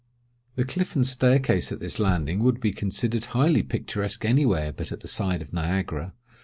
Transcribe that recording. The cliff and staircase at this Landing would be considered highly picturesque any where but at the side of Niagara.